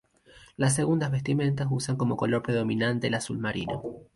Las segundas vestimentas usan como color predominante el azul marino.